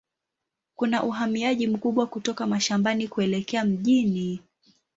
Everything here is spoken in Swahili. Kuna uhamiaji mkubwa kutoka mashambani kuelekea mjini.